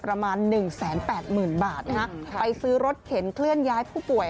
ประมาณหนึ่งแสนแปดหมื่นบาทนะฮะไปซื้อรถเข็นเคลื่อนย้ายผู้ป่วย